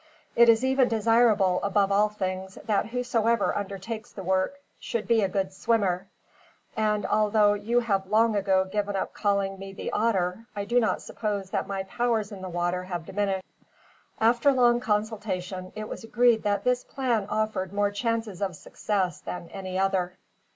It is even desirable, above all things, that whosoever undertakes the work should be a good swimmer; and although you have long ago given up calling me The Otter, I do not suppose that my powers in the water have diminished." After long consultation, it was agreed that this plan offered more chances of success than any other.